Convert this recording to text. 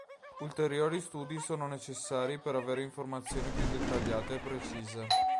Ulteriori studi sono necessari per avere informazioni più dettagliate e precise.